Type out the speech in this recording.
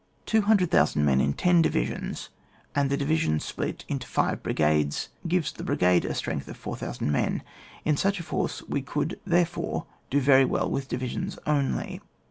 Two hundred thousand men in ten divisions, and the division split into five brigades, gives the brigade a strength of 4,000 men. In such a force we could, therefore, do very weU with divisions only.